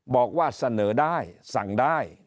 บอกว่าเสนอได้สั่งได้